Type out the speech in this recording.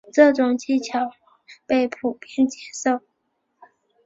这种技巧被普遍接受。